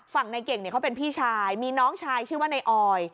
ฝั่งในเก่งเขาเป็นพี่ชายมีน้องชายชื่อว่านายออย